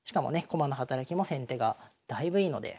駒の働きも先手がだいぶいいので。